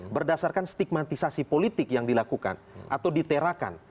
berdasarkan stigmatisasi politik yang dilakukan atau diterakan